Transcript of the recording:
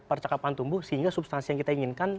percakapan tumbuh sehingga substansi yang kita inginkan